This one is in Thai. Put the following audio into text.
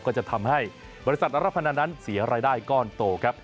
ก็จะทำให้บริษัทรับพนันนั้นเสียรายได้ก้อนโตครับ